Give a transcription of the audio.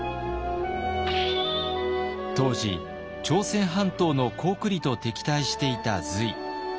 当時朝鮮半島の高句麗と敵対していた隋。